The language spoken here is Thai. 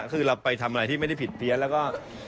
คือเราไปทำอะไรที่ไม่ได้ผิดเพี้ยนแล้วก็